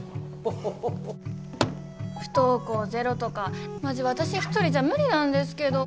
不登校ゼロとかマジわたし一人じゃ無理なんですけど。